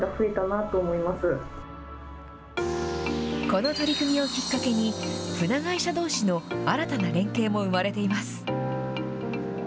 この取り組みをきっかけに、船会社どうしの、新たな連携も生まれています。